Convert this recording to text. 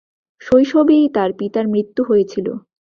শৈশবেই তার পিতার মৃত্যু হয়েছিল।